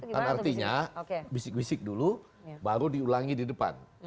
dan artinya bisik bisik dulu baru diulangi di depan